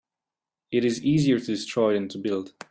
It is easier to destroy than to build.